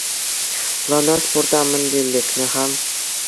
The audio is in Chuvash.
Лана спорта мӗнле лекнӗ-ха?